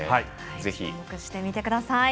ぜひ注目してみてください。